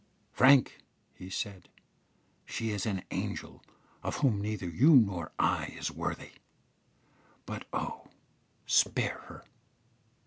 "Frank," he said, "she is an angel of whom neither you nor I is worthy; but oh, spare her!